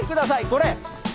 これ！